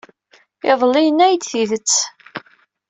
Iḍelli, yenna-iyi-d tidet.